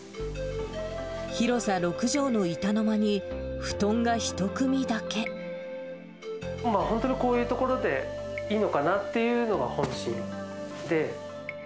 広さ６畳の板の間に布団が一本当にこういう所でいいのかなっていうのが本心で。